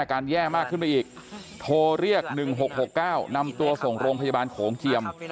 แย่มากขึ้นไปอีกโทรเรียก๑๖๖๙นำตัวส่งโรงพยาบาลโขงเจียม